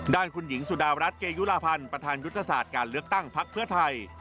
ด้านคุณหญิงสุดารัฐเกยุลาพันธ์ประธานยุทธศาสตร์การเลือกตั้งพักเพื่อไทย